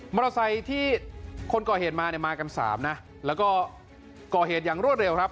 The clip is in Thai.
ไซค์ที่คนก่อเหตุมาเนี่ยมากันสามนะแล้วก็ก่อเหตุอย่างรวดเร็วครับ